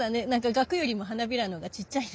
がくよりも花びらのほうがちっちゃいね。